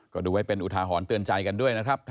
ก็ดูไว้เป็นอุทาหรณ์เตือนใจกันด้วยนะครับ